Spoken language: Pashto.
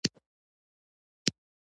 د نجونو د خوښې خلاف ودول یو ناسم دود دی.